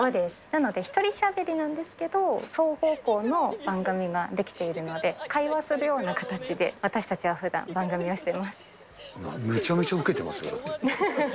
なので１人しゃべりなんですけど、双方向の番組ができているので、会話するような形で、私たちはふめちゃくちゃ受けてますよ。